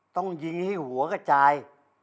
ต้องยิงให้หัวกระจาย